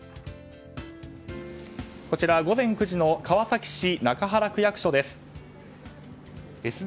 こちら、午前９時の川崎市中原区役所です。